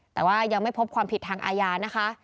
แต่ว่ายังไม่พบความผิดทางอาญานะคะ